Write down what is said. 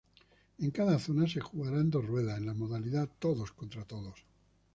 En cada zona se jugará en dos ruedas, en la modalidad todos contra todos.